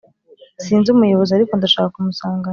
sinzi umuyobozi ariko ndashaka kumusanganira.